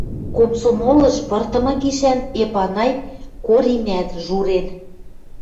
Комсомолыш пыртымы гишӓн Эпанай Коримӓт журен: